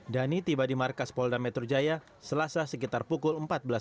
dhani tiba di markas polda metro jaya selasa sekitar pukul empat belas tiga puluh